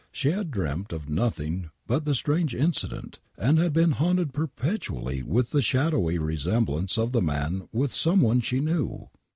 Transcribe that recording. She had dreamt of nothing but the strange incident and had be«i haunted perpetually with the shadowy resemblance of the man with some one she knew.